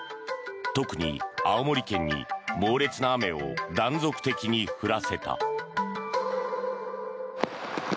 特に青森県に猛烈な雨を断続的に降らせた。